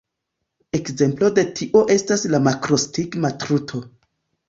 Ekzemplo de tio estas la makrostigma truto.